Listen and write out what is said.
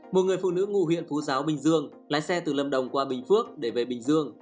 một người phụ nữ ngụ huyện phú giáo bình dương lái xe từ lâm đồng qua bình phước để về bình dương